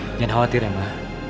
jangan khawatir ya ma